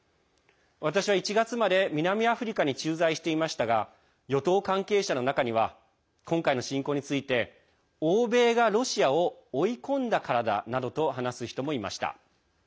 私は１月まで南アフリカに駐在していましたが与党関係者の中には今回の侵攻について欧米がロシアを追い込んだからだなどと話す人もいました。